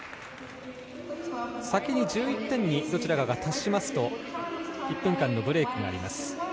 先に１１点にどちらかが達しますと１分間のブレークがあります。